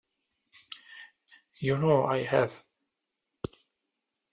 You know I have.